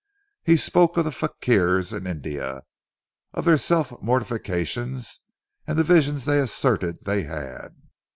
He spoke of the fakirs in India, of their self mortifications, and the visions they asserted they had.